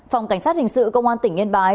phòng cảnh sát hình sự công an tỉnh yên bái